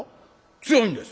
「強いんです」。